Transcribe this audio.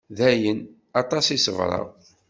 D ayen, aṭas i ṣebreɣ.